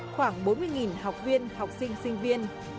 khoảng bốn mươi học viên học sinh sinh viên